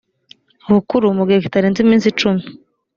bukuru mu gihe kitarenze iminsi icumi